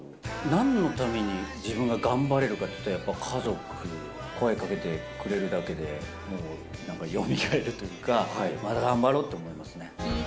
なんのために自分が頑張れるかっていうと、家族、声かけてくれるだけで、もうなんかよみがえるというか、また頑張ろうと思いますね。